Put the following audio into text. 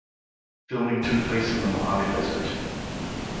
Filming took place in the Mojave desert.